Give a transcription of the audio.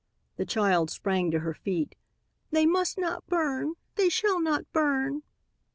the child sprang to her feet. "They must not burn! They shall not burn!"